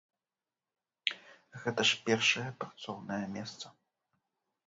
Гэта ж першае працоўнае месца.